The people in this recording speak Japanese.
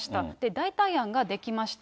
代替案が出来ました。